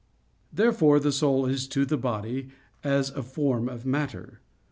Therefore the soul is to the body as a form of matter.